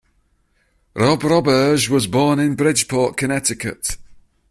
Rob Roberge was born in Bridgeport Connecticut.